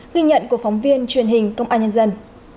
ghi nhận của phóng viên truyền hình công an nhân dân